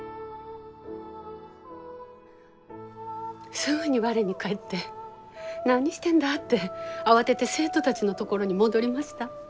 すぐに我に返って何してんだって慌てて生徒たちのところに戻りました。